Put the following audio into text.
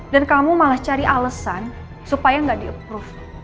dan kamu malah cari alesan supaya gak di approve